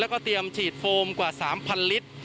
แล้วก็เตรียมฉีดโฟมกว่า๓๐๐ลิตร